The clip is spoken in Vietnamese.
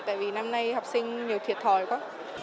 tại vì năm nay học sinh nhiều thiệt thòi quá